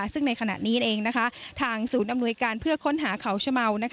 ซึ่งในขณะนี้เองทางศูนย์อำนวยการเพื่อค้นหาเขาชะเมา